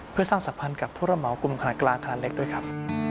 เพื่อสร้างสัมพันธ์กับผู้ระเหมากลุ่มขนาดกลางขนาดเล็กด้วยครับ